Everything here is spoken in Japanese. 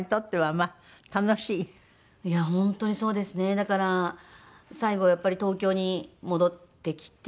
だから最後やっぱり東京に戻ってきて。